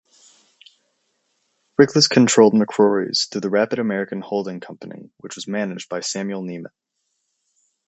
Riklis controlled McCrory's through the Rapid-American holding company, which was managed by Samuel Neaman.